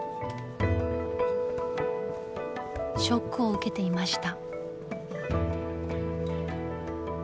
ショックを受けていました。